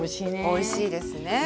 おいしいですね。